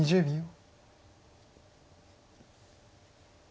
１０秒。